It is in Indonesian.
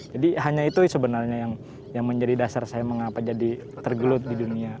jadi hanya itu sebenarnya yang menjadi dasar saya mengapa jadi tergelut di dunia